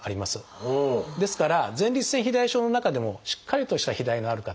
ですから前立腺肥大症の中でもしっかりとした肥大がある方